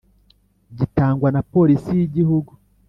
gitangwa na polisi y’ igihugu;